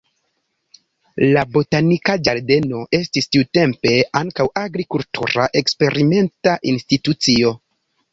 La botanika ĝardeno estis tiutempe ankaŭ agrikultura eksperimenta institucio.